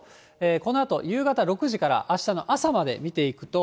このあと夕方６時から、あしたの朝まで見ていくと。